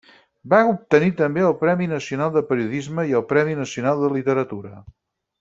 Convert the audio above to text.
Va obtenir també el Premi Nacional de Periodisme i el Premi Nacional de Literatura.